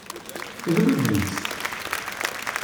Glu-d yis-s!